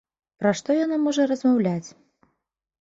Пра што яна можа размаўляць?